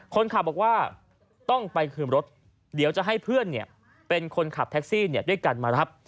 คนขับบอกว่าต้องไปคืนรถเดี๋ยวจะให้เพื่อนเป็นคนขับแท็กซี่ด้วยกันมารับ